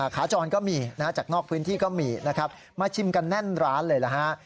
ขาจรก็มีนะฮะจากนอกพื้นที่ก็มีนะครับมาชิมกันแน่นร้านเลยนะฮะ